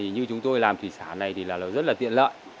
như chúng tôi làm thủy sản này thì rất là tiện lợi